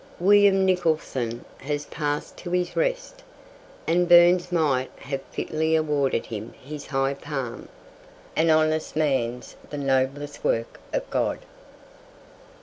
William Nicholson has passed to his rest, and Burns might have fitly awarded him his high palm, "An honest man's the noblest work of God."